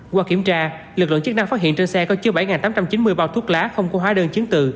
qua kiểm tra lực lượng chức năng phát hiện trên xe có chứa bảy tám trăm chín mươi bao thuốc lá không có hóa đơn chứng từ